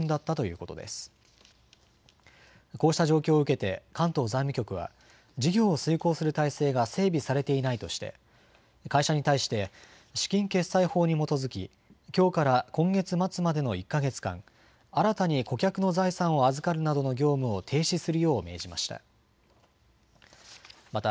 こうした状況を受けて関東財務局は事業を遂行する体制が整備されていないとして会社に対して資金決済法に基づききょうから今月末までの１か月間、新たに顧客の財産を預かるなどの業務を停止するよう命じました。